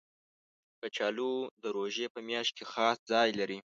کچالو د روژې په میاشت کې خاص ځای لري